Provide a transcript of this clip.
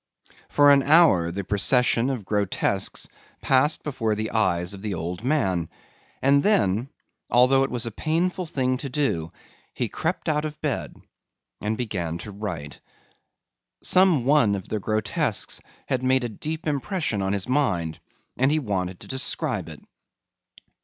For an hour the procession of grotesques passed before the eyes of the old man, and then, although it was a painful thing to do, he crept out of bed and began to write. Some one of the grotesques had made a deep impression on his mind and he wanted to describe it.